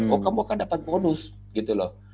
oh kamu akan dapat bonus gitu loh